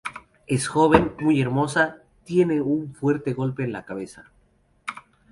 Es joven, muy hermosa; tiene un fuerte golpe en su cabeza.